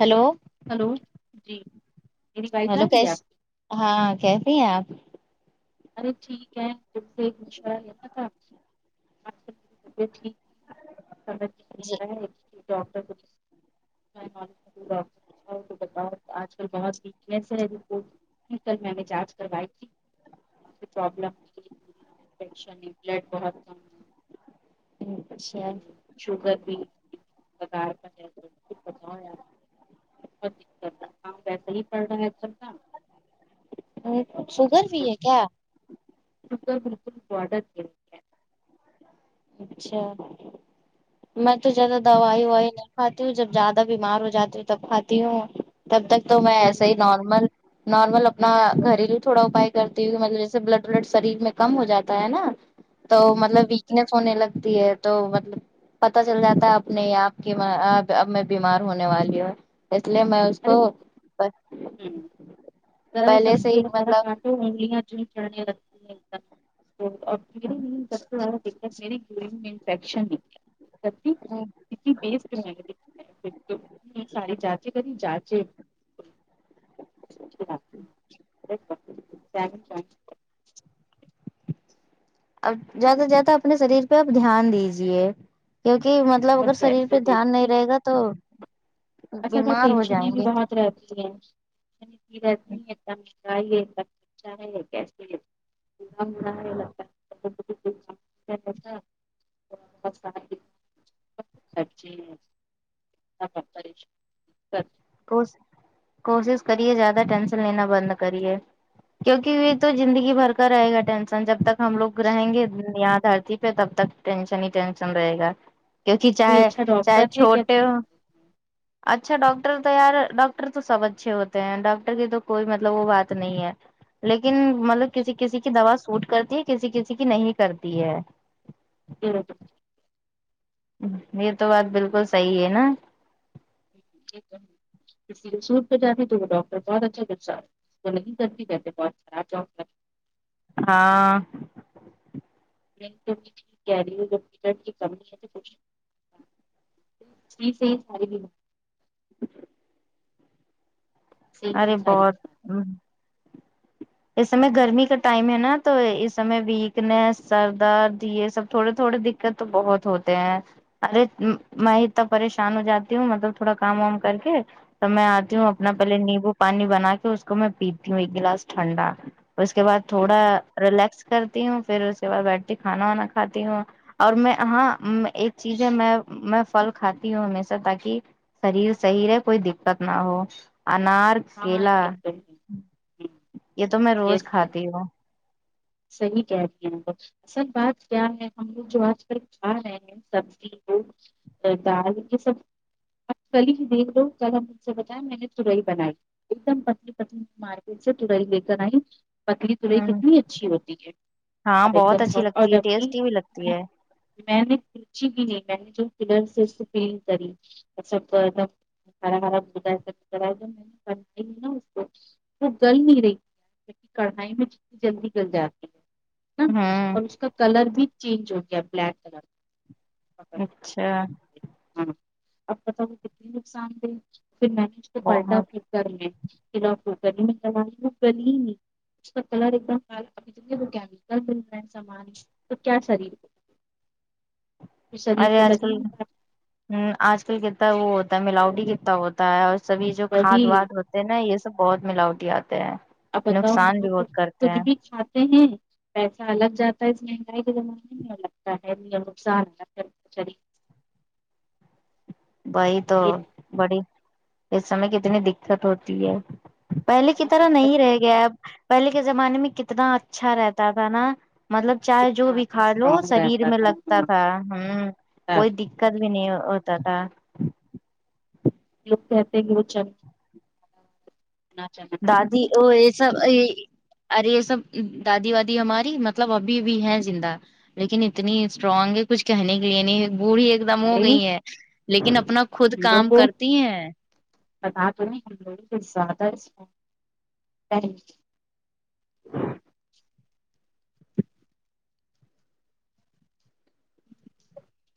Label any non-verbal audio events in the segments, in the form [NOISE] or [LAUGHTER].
Hello hello جی میری wife آ ہلو رہی ہے کیس آپ کی ہاں کیسی ہیں آپ ارے ٹھیک ہے تم سے ایک مشورہ کرنا تھا [UNINTELLIGIBLE] ڈاکٹر کو جی [UNINTELLIGIBLE] آج کل بہت کیسے ہے رپورٹ کل میں نے جانچ کروائی تھی [UNINTELLIGIBLE] بلڈ بہت کم ہے اچھا شگر بھی [UNINTELLIGIBLE] [UNINTELLIGIBLE] ویسا ہی پڑ رہا ہے سب کا ہ شوگر بھی ہے کیا شوگر بالکل بورڈر پے ہے اچھا میں تو زیادہ دوائی وائی کھاتی ہوں جب زیادہ بیمار ہو جاتی ہوں تب کھاتی ہوں تب تک تو میں یار ایسا ہی نارمل نارمل اپنا گریلو تھوڑا اپائے کرتی ہوئی مطلب جیسے بلڈ ولڈ شریر میں کم ہو جاتا ہے نا تو مطلب ویکنیس ہونے لگتی ہے تو مطلب پتا چل جاتا ہے اپنے آپ کی اب میں بیمار ہونے والی ہوں اس لیے میں ارے تو ہوں پہلے سے ہی مطلب تو [UNINTELLIGIBLE] لگتی ہیں ایک مطلب [UNINTELLIGIBLE] سب سے زیادہ میری [UNINTELLIGIBLE] کیوری میں انفیکشن [UNINTELLIGIBLE] [UNINTELLIGIBLE] [UNINTELLIGIBLE] سارے جاچے کریں جاچے [UNINTELLIGIBLE] اب زیادہ سے زیادہ اپنے شریر پہ آپ دھیان دیجیے کیونکہ مطلب اگر شریر پہ دھیان نہیں رہے گا تو اصل میں بیمار ہو ٹینشنیں جائیں میں بھی گے بہت رہتی ہیں [UNINTELLIGIBLE] [UNINTELLIGIBLE] [UNINTELLIGIBLE] [UNINTELLIGIBLE] کو کوشش کریے زیادہ ٹینشن لینا بند کریے کیونکہ یہ تو زندگی بھر کا رہے گا ٹینسن جب تک ہم لوگ رہیں گے یہا دھرتی پہ تب تک ٹینشن ہی ٹینشن رہے گا کیونکہ کوئی چاہے اچھا ڈاکٹر چاہے ہے کیا چھوٹے ہو اچھا ڈاکٹ ر تویار ڈاکٹر تو سب اچھے ہوتے ہیں ڈاکٹر کی تو کوئی مطلب وہ بات نہیں ہے لیکن مطلب کسی کسی کی دوا سوٹ کرتی ہے کسی کسی کی نہیں کرتی ہے [UNINTELLIGIBLE] یہ تو بات بالکل صحیح ہے نا [UNINTELLIGIBLE] جانے تو وہ ڈاکٹر بہت اچھا دسا ہے [UNINTELLIGIBLE] کہتے بہت خراب ڈ ہاں [UNINTELLIGIBLE] کی کمی ہے جی صحی ساری بھی [INAUDIBLE] صحیح صحیح ارے ساری بہت بیماری [INAUDIBLE] اس سمے گرمی کا ٹائم ہے نا تو اس سمے ویکنیس سر درد یہ سب تھوڑے تھوڑے دکھ تو بہت ہوتے ہیں ارے میں اتنا پریشان ہو جاتی ہوں مطلب تھوڑا کام وام کر کے توب میں آتی ہوں اپنا پہلے نیمبو پانی بنا کے اس کو میں پیتی ہوں ایک گلاس ٹھنڈا اس کے بعد تھوڑا ریلیکس کرتی ہوں پھر اس کے بعد بیٹھتی کھانا وانا کھاتی ہوں اور میں ہاں ایک چیز ہے میں میں پھل کھاتی ہوں ہمیشہ تاکہ شریر صحیح رہے کوئی دقت نہ ہو انار ہاں کیلا یہ تو ہے یہ تو میں روز کھاتی ہوں صحیح کہہ رہی ہیں اصل بات کیا ہے ہم لوگ جو آج کل کھا رہے ہیں سبزی کو دال یہ سب کلی ہی دیکھ لو [UNINTELLIGIBLE] مجھ سے بتائے میں نے تڑئی بنائی ایک دم پتلی پتلی مارکیٹ سے ترائی لے کر آئی پتلی ترائی ہوں کتنی ہے اچھی ہوتی ہے ہاں اور ایک بہت دم سو اچھی اور لگتی ہے جب کی ٹیسٹی بھی لگتی ہے میں [UNINTELLIGIBLE] وہ گل نہیں رہی [UNINTELLIGIBLE] کڑھائی میں جتنی جلدی مل جاتی ہے ہوں اور اس کا کلر بھی چینج ہو گیا بلیک کلر [UNINTELLIGIBLE] اچھا ہاں اب پتا وہ کتنے نقصان دے فیر میں نے اس کو پلٹا بہت گر میں فیر کوکر میں چاڈایی ہو گلی ہے نہیں اس کا کلر ایک دم [UNINTELLIGIBLE] پھر شریر ارے کو آج لگی کل نہیں بات۔ ہمم آج کل کتنا وہ ہوتا ہے ملاؤٹی کتنا ہوتا ہوتا ہے اور سبھی جو وہی کھاد واد ہوتے ہیں نا یے سب بہت ملاوٹی آتے ہیں اب بتاؤ ہم نقصان بھی لوگ بہت کرتے کچھ ہیں بھی کھاتے ہیں پیسہ الگ جاتا ہے اس مہنگائی کے زمانے لگتا ہے یا نقصان [UNINTELLIGIBLE] وہی تو یہ بڑی اس سمے کتنی دکت ہوتی ہے پہلے کی بہت طرح زیادہ نہیں چیز رہ گیا اب پہلے کے زمانے میں کتنا اچھا رہتا تھا نا مطلب چائے جو ہاں بھی پہ کھا لو اسٹرانگ شریر رہتا میں تھا لگتا ہاں تھا ہمم کوئی دک تب کد بھی نہیں ہوتا تھا لوگ کہتے ہیں کی وہ چل نہ چل شادی اور یے سب یے ارے یے سب دادی وادی ہماری مطلب ابھی بھی ہیں زندہ لیکن اتنی اسٹرانگ ہے کچھ کہنے کے لیے نہیں بوڈی ہے ایک دم ہو ارے گئی ہے لیکن اپنا خود کام کرتی ہیں بتا تو نہیں ہم لوگوں زیادہ اس کو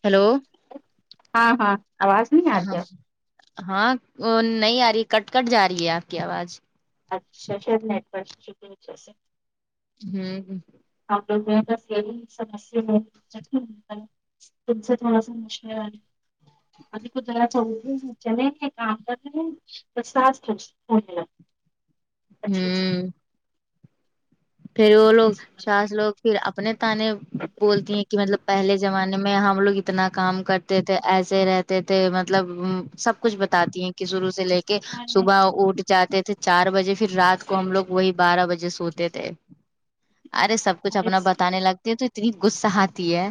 ہیلو ہاں ہاں آواز نہیں آتی ہاں ہے ہاں نہیں آ رہی کٹ کٹ جا رہی ہے آپ کی آواج اچھا شیر نیٹورک کی وجہ سے ہمم ہم لوگ میں بس یے سمسیا ہے [UNINTELLIGIBLE] تم سے تھوڑا سا [UNINTELLIGIBLE] ابھی تو ذرا چلیں گے کام کریں گے تساس [UNINTELLIGIBLE] ہمم پھر وہ لوگ ساس لوگ پھر اپنے تانے بولتی ہیں کہ مطلب پہلے زمانے میں میں ہم لوگ اتنا کام کرتے تھے ایسے رہتے تھے مطلب سب کچھ بتاتی ہیں کی شروع سے لے کے کہ صبح اٹھ جاتے تھے چار بجے فیر رات کو ہم لوگ وہی بارہ بجے سوتے تھے ارے سب کچھ اپنا بتانے لگتے ہے تو اتنی غصہ آتی ہے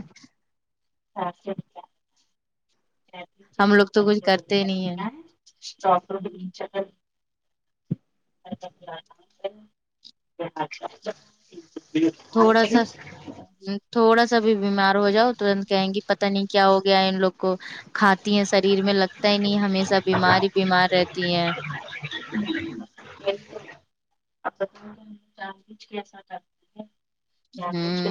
ہم لوگ تو کچھ [UNINTELLIGIBLE] کرتے ہی نہیں ہے [INAUDIBLE] اچھا تھوڑا سا تھوڑا سا بھی بیمار ہو جاؤ ترنت کہیں گی پتا نہیں کیا ہو گیا ان لوگ کو کھ تی ہیں شریر میں لگتا ہی نہیں ہمیشہ بیمار ہی بیمار رہتی ہیں [UNINTELLIGIBLE] [UNINTELLIGIBLE] ہوں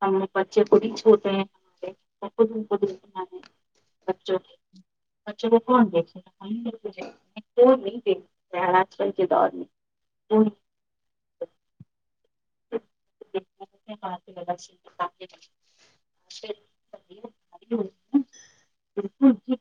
ہم لوگ بچے کو بھی چھوتے ہیں [UNINTELLIGIBLE] بچوں کی بچوں کو کون دیکھے گا نہیں دیکھتے ہیں آج کل کے دور میں [UNINTELLIGIBLE] بالکل جی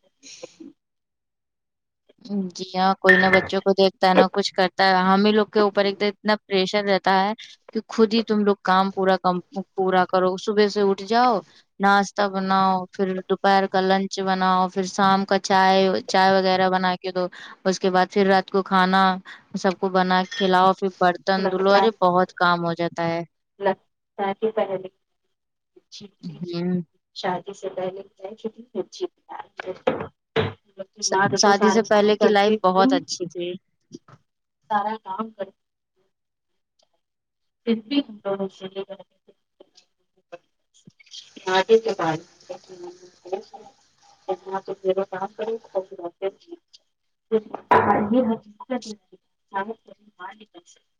جی ہاں کوئی نہ بچوں کو دیکھتا ہے نہ کچھ کرتا ہے ہم ہی لوگ کے اوپر ایک دن اتنا پریشر رہتا ہے کہ خود ہی تم لوگ کام پورا کام پورا کرو صبح سے اٹھ جاؤ ناشہ بناؤ پھر دوپہر کا لنچ بناؤ پھر شام کا چائے چائے وغیرہ بنا بنا کے دو اس کے بعد پھر رات کو کھانا سب کو بنا کھلاؤ پھر جس برتن دھولو لگتا ارے ہے بہت کام ہو جاتا ہے لگتا ہی پہلے [UNINTELLIGIBLE] ہ شادی سے پہلے کیا تھی ماں دیکھو شادی سے سارا کام پہلے کی کرتی لائف تھی بہت اچھی تھی سارا کام کر پھر بھی شا دی کے بعد تو کام کر خ م [UNINTELLIGIBLE] [UNINTELLIGIBLE]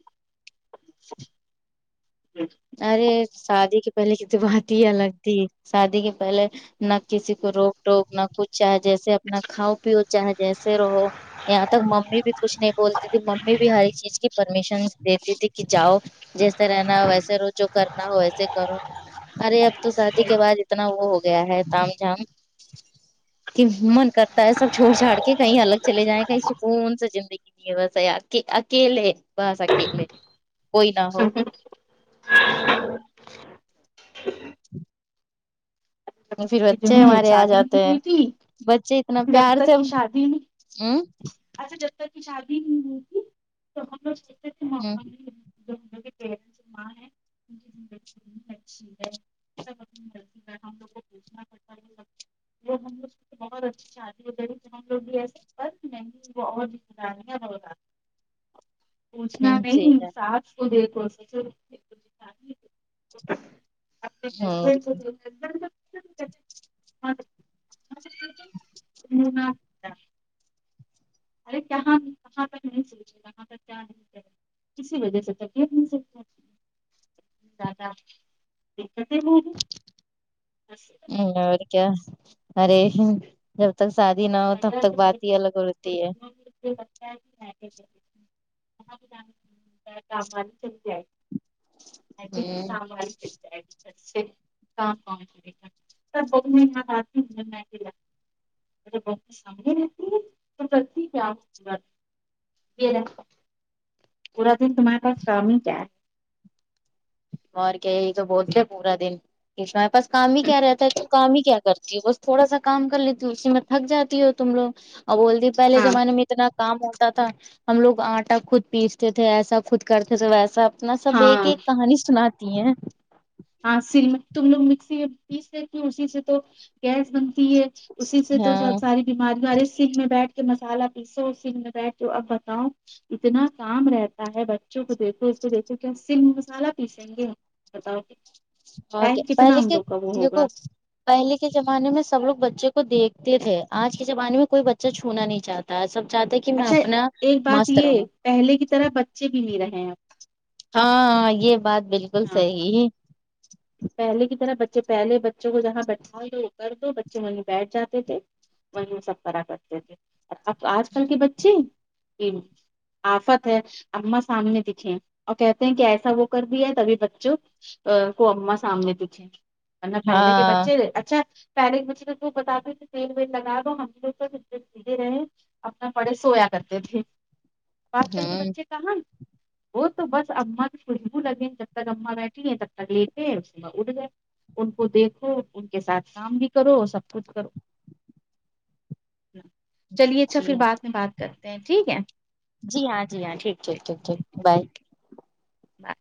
جی ارے شادی کے پہلے کی تو بات ہی الگ تھی شادی کے پہلے نہ کسی کو روک ٹوک نہ کچھ چاہے جیسے اپنا کھاؤ پیو چاہے جیسے رہو یہاں تک ممی بھی کچھ نہیں بولتی تھی ممی بھی ہر ایک چیز کی پرمیشن دیتی تھی کہ جاؤ جیسے رہنا ہو ویسے رو جو کرنا ہو ویسے کرو ارے اب تو شادی کے بعد اتنا وہ ہو گیا ہے تام جام کہ من کرتا ہے سب چھڑ چھڑ کے کہیں الگ چلے جائیں کہیں سکون سے زندگی بس اک اکیلے بس اکیل ہاں ہاں ہوں پھر بچے ہمارے آ شادی نہیں جاتے ہیں ہوئی تھی بچے اتنا جب پیار تک سے کی شادی نہیں ہمم اچھا جب تک کی شادی ہوئی نہی تھی تو ہم لوگ تھے ہمم ممی جو انوں کے پیرنٹس ماں ہے [UNINTELLIGIBLE] گ اچھی ہے سب اپنی لی کا ہم لوگ کو پوھنا پڑتا ہے [UNINTELLIGIBLE] وہ ہم لوگ بہت اچھی شادی ہو جی کہ ہم لوگ بھی ایسے نہیں [UNINTELLIGIBLE] بہت گانیاں ب پوچھنا جی نہیں ساس [UNINTELLIGIBLE] د اور فبڈ [UNINTELLIGIBLE] [UNINTELLIGIBLE] ارے کہاں کہاں تک نہیں سوچے کہاں تک کیا اسی وجہ سے تکلیف نہیں سکتی داداتے بول [UNINTELLIGIBLE] ہمم اور کیا ارے جب تک شادی نہ ہو تب مگر تک بات ہی الگ ہوتی ہے چ جائےی [UNINTELLIGIBLE] ہ سامو چ [UNINTELLIGIBLE] [UNINTELLIGIBLE] بہت سمگتی توتی وپ کرور [UNINTELLIGIBLE] یہ رکہو پورا دن تمہارے پاس کام ہی کیا ہے اور کیا یہ تو بول تے ہے پورا دن کے تمرارے پاس کام ہی کیا رہتا ہے تو کام ہی کیا کرتی ہے بس تھوڑا سا کام کر لیتی ہوں اس میں تھک جاتی ہو تم لوگ اور بولتی پہلے ہاں زمانے میں اتنا کام ہوتا تھا ہم لوگ آٹا خود پیستے تھے ایسا خود کرتے تھے ویسا اپنا سب ایک ہاں ایک کہانی سناتی ہیں ہاں سل میں تم لوگ مکسی میں پیس لیتی ھو اسی سے تو گیس بن تی ہے اسی سے تو ہاں ساری بیماری والے سنگ میں بیٹھ کے مسالہ پیسو سنگ میں بیٹھ کے اب بتاؤ اتنا کام رہتا ہے بچوں کو دیکھو اس کو دیکھو کیا سنگ مسالہ پیسیں گے بتاؤ اور ٹائم کیا کتنا پہلے ہم کے لوگ کا وہ دیکھو ہوگا پہلے کے زمانے میں سب لوگ بچے کو دیکھتے تھے آج کے زمانے میں کوئی بچہ چھونا نہیں چاہ تا سب چاہتے ہیں کہ میں اچھا اپنا ایک بات مست یہ رہوں پہلے کی طرح بچے بھی نہیں رہے اب ہاں یہ بات بالکل اب، ہاں صحیح پہلے کی طرح بچے پہلے بچوں کو جہاں بیٹھا دو وہ کر دو بچے وہیں بیٹھ جاتے تھے وہی سب کرا کرتے تھے اور اب آج کل کے بچے آفت ہے اما سامنے دکھے اور کہتے ہیں کہ ایسا وہ کر دیا ہے تبھی بچوں ا کو اما سامنے دکھے ورنہ پہلے کے ہاں بچے اچھا پہلے کے بچے بتاتے تیل ویل لگا دو ہم لگ سھے رہے ہیں اپنا پڑے سویا کرتے تھے آج کل کے ہوں بچے کہاں وہ تو بس اما کی خوشبو لگے جب تک اما بیٹھی ہیں تب تک لیٹے اٹ گئے ان کو دیکھو ان کے ساتھ کام بھی کرو سب کچھ کرو چلیے اچھا جی پھر ہاں بعد میں بات کرتے ہیں ٹھیک ہے جی ہاں جی ہاں ٹھیک ٹھیک ٹھیک ٹھیک بائے با